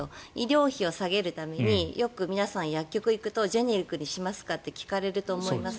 医療費を下げるためによく皆さん薬局に行くとジェネリックにしますかと聞かれると思います。